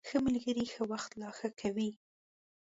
ښه ملګري ښه وخت لا ښه کوي.